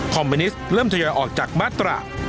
คอมมินิสต์เริ่มทะยอยออกจากมัตระ